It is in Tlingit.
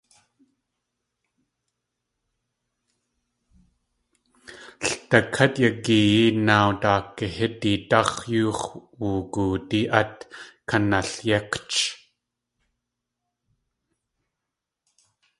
Ldakát yagiyee náaw daakahídidáx̲ yux̲ wugoodí át yakanalyékch.